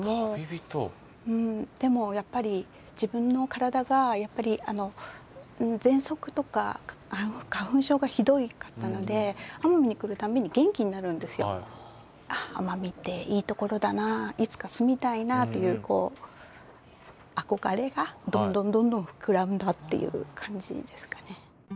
でもやっぱり自分の体がやっぱりぜんそくとか花粉症がひどかったので奄美っていいところだないつか住みたいなというあこがれがどんどんどんどん膨らんだっていう感じですかね。